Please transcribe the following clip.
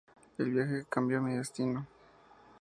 El viaje que cambió mi destino..